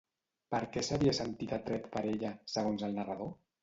Per què s'havia sentit atret per ella, segons el narrador?